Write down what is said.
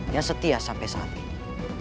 yang setia sampai saat ini